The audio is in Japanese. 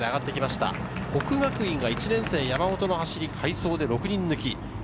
國學院が１年生・山本の走り、快走で６人抜き。